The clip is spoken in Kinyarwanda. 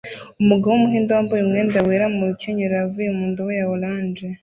Umugabo wumuhinde wambaye umwenda wera mu rukenyerero avuye mu ndobo ya orange